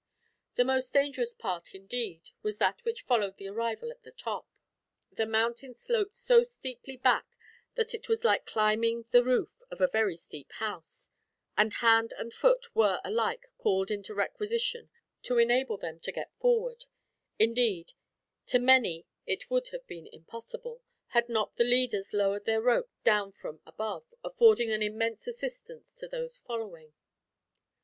The most dangerous part, indeed, was that which followed the arrival at the top. The mountain sloped so steeply back that it was like climbing the roof of a very steep house, and hand and foot were, alike, called into requisition to enable them to get forward; indeed, to many it would have been impossible, had not the leaders lowered their ropes down from above, affording an immense assistance to those following.